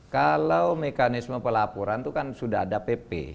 kalau mekanisme pelaporan itu kan sudah ada pp